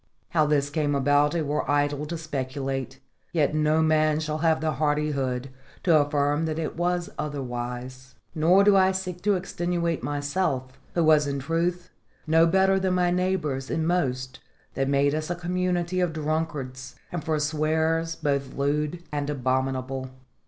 How this came about it were idle to speculate; yet no man shall have the hardihood to affirm that it was otherwise. Nor do I seek to extenuate myself, who was in truth no better than my neighbours in most that made us a community of drunkards and forswearers both lewd and abominable.